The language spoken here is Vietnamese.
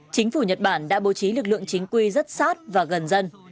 chính phủ nhật bản đã bố trí lực lượng chính quy rất sát và gần dân